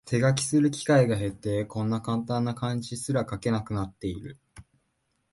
手書きする機会が減って、こんなカンタンな漢字すら書けなくなってる